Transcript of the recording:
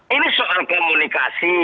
ini soal komunikasi